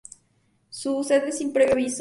Sucede sin previo aviso.